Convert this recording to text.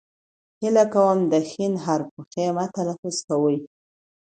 هیله کوم د ښ حرف په خ مه تلفظ کوئ.!